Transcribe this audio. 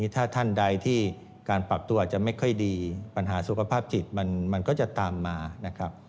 ถ้าท่านใดที่การปรับตัวอาจจะไม่ค่อยดีปัญหาสุขภาพจิตมันก็จะตามมานะครับ